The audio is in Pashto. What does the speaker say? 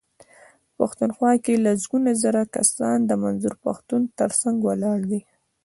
پښتونخوا کې لسګونه زره کسان د منظور پښتون ترڅنګ ولاړ دي.